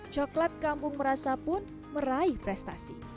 coklat kampung merasa pun meraih prestasi